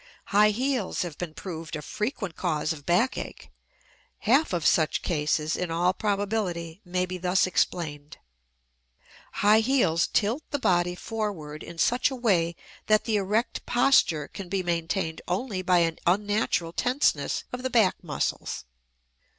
High heels have been proved a frequent cause of back ache; half of such cases, in all probability, may be thus explained. High heels tilt the body forward in such a way that the erect posture can be maintained only by an unnatural tenseness of the back muscles.